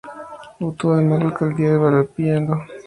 Obtuvo además la alcaldía de Villalpando.